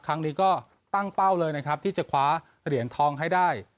ครั้งนี้ก็ตั้งเป้าเลยนะครับที่จะคว้าเหรียญทองให้ได้